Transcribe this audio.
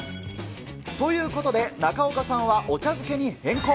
ということで、中岡さんはお茶漬けに変更。